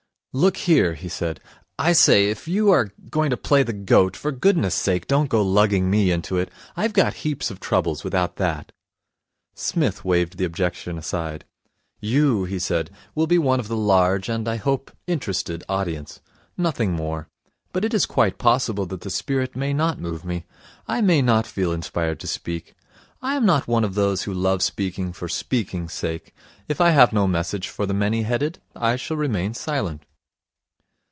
'Look here,' he said, 'I say, if you are going to play the goat, for goodness' sake don't go lugging me into it. I've got heaps of troubles without that.' Psmith waved the objection aside. 'You,' he said, 'will be one of the large, and, I hope, interested audience. Nothing more. But it is quite possible that the spirit may not move me. I may not feel inspired to speak. I am not one of those who love speaking for speaking's sake. If I have no message for the many headed, I shall remain silent.'